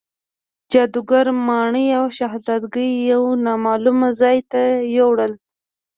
جادوګر ماڼۍ او شهزادګۍ یو نامعلوم ځای ته یووړل.